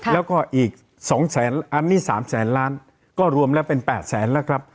แล้วก็อีก๒แสนอันนี้๓แสนล้านก็รวมแล้วเป็น๘แสนแล้วครับ